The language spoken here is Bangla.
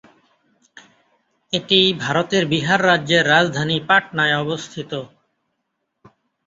এটি ভারতের বিহার রাজ্যের রাজধানী পাটনায় অবস্থিত।